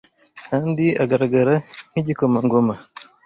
kandi agaragara nk’igikomangoma